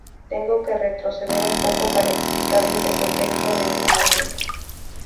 Tengo que retroceder un poco para explicarles el contexto de ese momento.